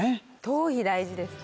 頭皮大事です。